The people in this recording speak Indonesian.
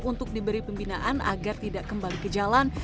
untuk diberi pembinaan agar tidak kembali ke jalan